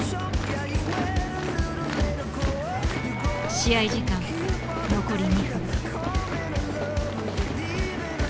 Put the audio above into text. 試合時間残り２分。